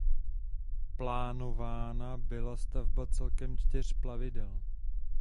Plánována byla stavba celkem čtyř plavidel.